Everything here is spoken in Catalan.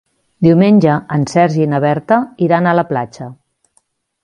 Diumenge en Sergi i na Berta iran a la platja.